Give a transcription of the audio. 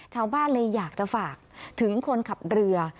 ชาวบ้านเลยอยากจะฝากถึงคนขับเรือ